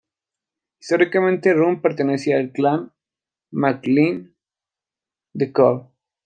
Históricamente Rum pertenecía al clan MacLean de Coll.